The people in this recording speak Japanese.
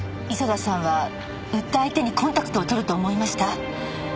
磯田さんは売った相手にコンタクトを取ると思いました。